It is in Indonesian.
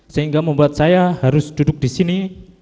sehingga membuat saya harus duduk disini